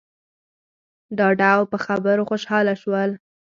ډاډه او په خبرو خوشحاله شول.